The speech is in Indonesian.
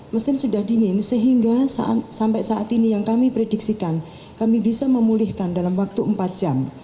mesin sudah dingin sehingga sampai saat ini yang kami prediksikan kami bisa memulihkan dalam waktu empat jam